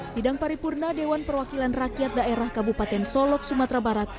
sidang paripurna dewan perwakilan rakyat daerah kabupaten solok sumatera barat